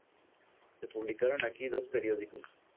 Se publicaron aquí dos periódicos.